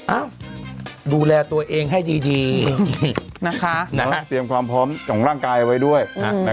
ดูแลตัวเองให้ดีเตรียมความพร้อมของร่างกายเอาไว้ด้วย